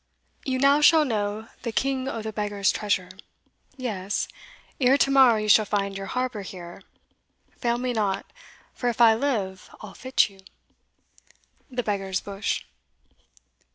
You now shall know the king o' the beggars' treasure: Yes ere to morrow you shall find your harbour Here, fail me not, for if I live I'll fit you. The Beggar's Bush.